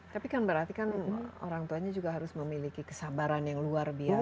tapi kan berarti kan orang tuanya juga harus memiliki kesabaran yang luar biasa